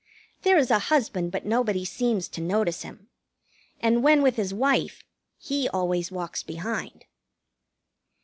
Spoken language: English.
There is a husband, but nobody seems to notice him; and when with his wife, he always walks behind.